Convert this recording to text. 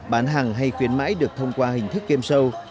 bán hàng hay khuyến mãi được thông qua hình thức game show